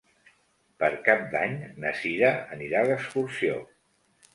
Per Cap d'Any na Sira anirà d'excursió.